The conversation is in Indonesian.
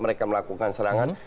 mereka melakukan serangan